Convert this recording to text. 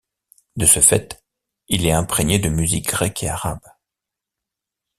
De ce fait, il est imprégné de musique grecque et arabe.